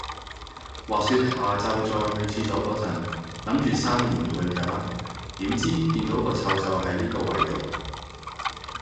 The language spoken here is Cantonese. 話說，下就再去廁所個陣，諗住閂門去㗎啦，點知，見到個臭臭係呢個位到